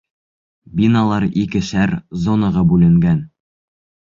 Биналар икешәр зонаға бүленгән.